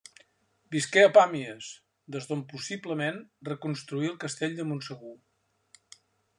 Visqué a Pàmies, des d'on possiblement reconstruí el castell de Montsegur.